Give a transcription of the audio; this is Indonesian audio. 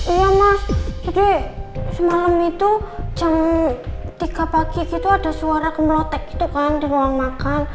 iya mas jadi semalam itu jam tiga pagi gitu ada suara kemelotek gitu kan di ruang makan